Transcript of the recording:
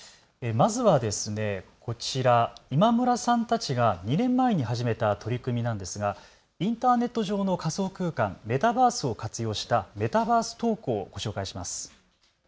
まずはこちら、今村さんたちが２年前に始めた取り組みなんですがインターネット上の仮想空間・メタバースを活用したメタバース登校をご紹介します。